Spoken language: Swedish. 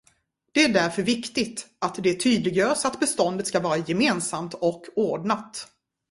Det är därför viktigt att det tydliggörs att beståndet ska vara gemensamt och ordnat.